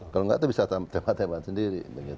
kalau nggak itu bisa tempat hebat sendiri